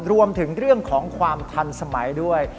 รวมถึงเรื่องของความทันสมัยด้วย